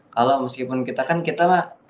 kalau meskipun kita kan kita